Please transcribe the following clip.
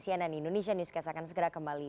cnn indonesia newscast akan segera kembali